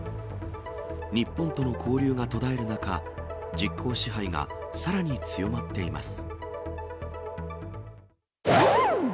日本との交流が途絶える中、実効支配がさらに強まっています。